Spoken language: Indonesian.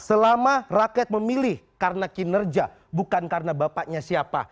selama rakyat memilih karena kinerja bukan karena bapaknya siapa